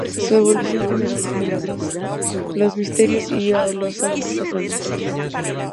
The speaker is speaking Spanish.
Su evolución generó los milagros, los misterios y los autos sacramentales.